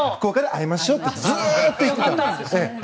会いましょうってずっと言ってたんです。